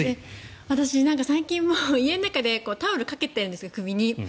私、最近、家の中でタオルをかけてるんです、首に。